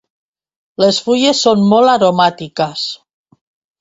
Les fulles són molt aromàtiques.